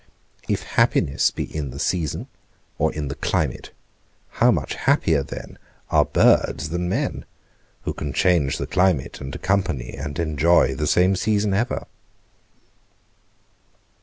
If happiness be in the season, or in the climate, how much happier then are birds than men, who can change the climate and accompany and enjoy the same season ever.